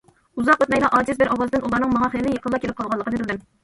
ئۇزاق ئۆتمەيلا ئاجىز بىر ئاۋازدىن ئۇلارنىڭ ماڭا خېلى يېقىنلا كېلىپ قالغانلىقىنى بىلدىم.